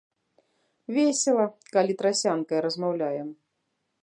Весела, калі трасянкай размаўляем.